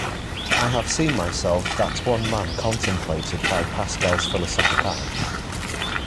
I have seen myself that one man contemplated by Pascal's philosophic eye.